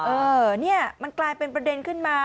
เออเนี่ยมันกลายเป็นประเด็นขึ้นมา